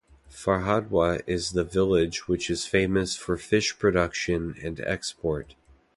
Farhadwa is the village which is famous for fish production and export.